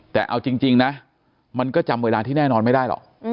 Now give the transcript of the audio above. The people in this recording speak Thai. แต่เอาจริงนะมันก็จำเวลาที่แน่นอนไม่ได้หรอก